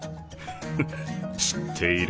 フフッ知っている。